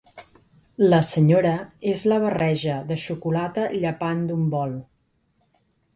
La senyora és la barreja de xocolata llepant d'un bol.